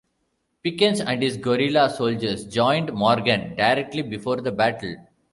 Pickens and his guerrilla soldiers joined Morgan directly before the battle.